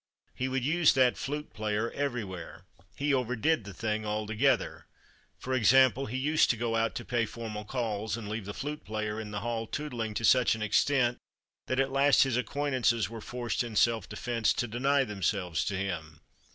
He would use that flute player everywhere he overdid the thing altogether: for example, he used to go out to pay formal calls, and leave the flute player in the hall tootling to such an extent that at last his acquaintances were forced in self defence to deny themselves to him.